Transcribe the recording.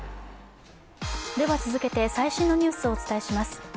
続けて最新のニュースをお伝えします。